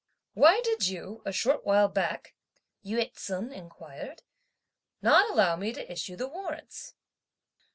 "Why did you, a short while back," Yü ts'un inquired, "not allow me to issue the warrants?"